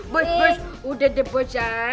bos bos udah di posa